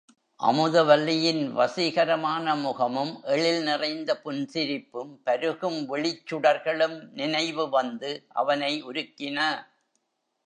அமுதவல்லியின் வசீகரமான முகமும், எழில் நிறைந்த புன்சிரிப்பும், பருகும் விழிச்சுடர்களும் நினைவு வந்து அவனை உருக்கின.